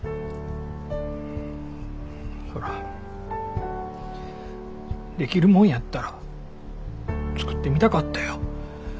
そらできるもんやったら作ってみたかったよ。